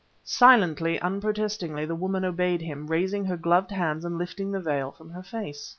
Silently, unprotestingly, the woman obeyed him, raising her gloved hands and lifting the veil from her face.